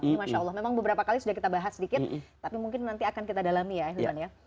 ini masya allah memang beberapa kali sudah kita bahas sedikit tapi mungkin nanti akan kita dalami ya hilman ya